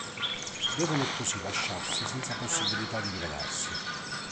Devono così lasciarsi senza possibilità di rivedersi.